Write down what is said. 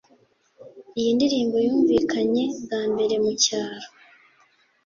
Iyi ndirimbo yumvikanye bwa mbere mu cyaro